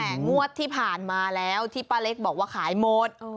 แต่งวดที่ผ่านมาแล้วที่ป้าเล็กบอกว่าขายหมด